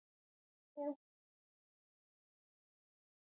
سیندونه د افغانستان د ولایاتو په کچه توپیر لري.